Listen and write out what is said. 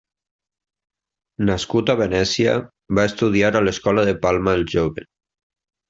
Nascut a Venècia, va estudiar a l'escola de Palma el Jove.